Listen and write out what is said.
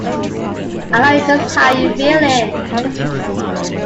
I know just how you're feeling.